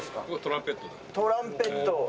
トランペットを。